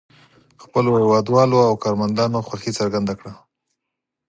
خپلو هېوادوالو او کارمندانو خوښي څرګنده کړه.